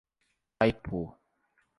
Taipu